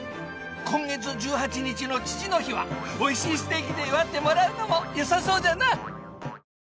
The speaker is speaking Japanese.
今月１８日の父の日は美味しいステーキで祝ってもらうのもよさそうじゃな！